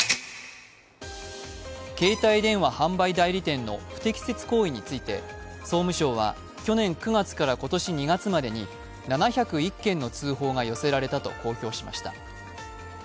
携帯電話販売代理店の不適切行為について、総務省は去年９月から今年２月までに７０１件の通報が寄せられたと公表しました。